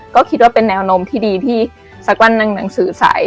ก็คิดว่าเป็นแนวโน้มที่ดีที่สักวันหนึ่งหนังสือใส่